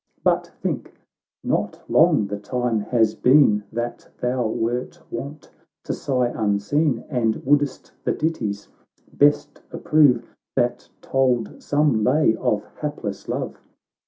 But think, — not long the time has been, That thou wert wont to sigh unseen, And wouldst the ditties best approve, That told some lay of hapless love.